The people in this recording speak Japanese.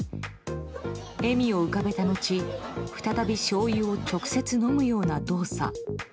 笑みを浮かべたのち再びしょうゆを直接飲むような動作。